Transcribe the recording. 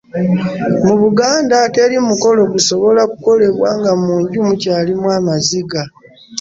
mu buganda teri mukolo gusobola kukolebwa nga mu nju mukyalimu amaziga